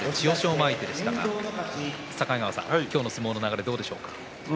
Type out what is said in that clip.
馬相手でしたが境川さん、今日の相撲の流れどうでしたか。